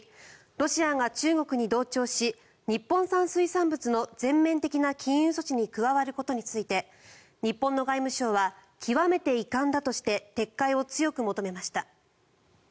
ロシアが中国に同調し日本産水産物の全面的な禁輸措置に加わることについて日本の外務省は極めて遺憾だとして撤回を強く求めました。